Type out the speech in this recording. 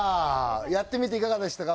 やってみていかがでしたか？